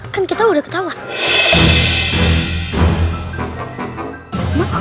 kan kita udah ketahuan